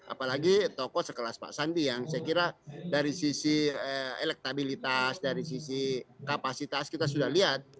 apalagi tokoh sekelas pak sandi yang saya kira dari sisi elektabilitas dari sisi kapasitas kita sudah lihat